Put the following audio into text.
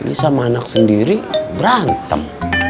ini sama anak sendiri berantem